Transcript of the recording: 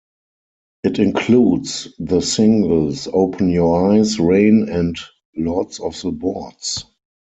It includes the singles "Open Your Eyes", "Rain" and "Lords of the Boards".